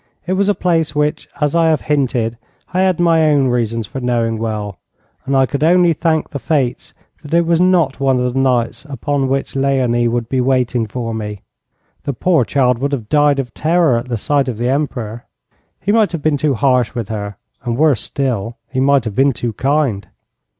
It was a place which, as I have hinted, I had my own reasons for knowing well, and I could only thank the Fates that it was not one of the nights upon which Léonie would be waiting for me. The poor child would have died of terror at sight of the Emperor. He might have been too harsh with her and worse still, he might have been too kind.